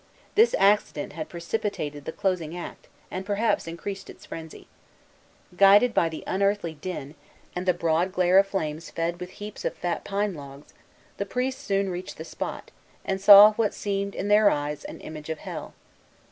This accident had precipitated the closing act, and perhaps increased its frenzy. Guided by the unearthly din, and the broad glare of flames fed with heaps of fat pine logs, the priests soon reached the spot, and saw what seemed, in their eyes, an image of Hell.